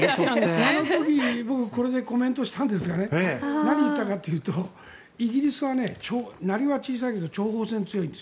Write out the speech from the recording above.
あの時、僕はこれでコメントしたんですけど何を言ったかというとイギリスは、なりは小さいけど諜報戦に強いんです。